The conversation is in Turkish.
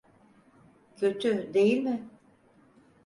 Kötü, değil mi?